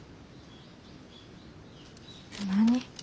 何？